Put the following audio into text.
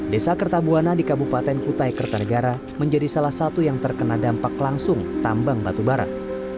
desa kertabuana di kabupaten kutai kertanegara menjadi salah satu yang terkena dampak langsung tambang batubara